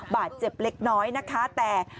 บาดเจ็บเล็กน้อยนะคะแต่